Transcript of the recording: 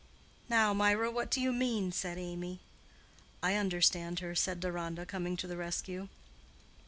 "Now, Mirah, what do you mean?" said Amy. "I understand her," said Deronda, coming to the rescue.